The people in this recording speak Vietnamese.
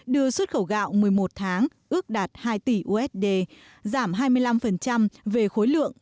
đưa xuất khẩu gạo một mươi một tháng ước đạt hai tỷ usd giảm hai mươi năm về khối lượng